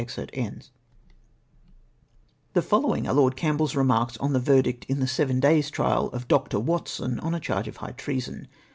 379 The following are Lord Campbell's remarks on the verdict in the seven days' trial of Dr. Watson on a charge of high treason.